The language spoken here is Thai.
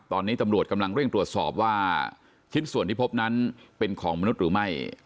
ตอนนี้ตำรวจกำลังเร่งตรวจสอบว่าชิ้นส่วนที่พบนั้นเป็นของมนุษย์หรือไม่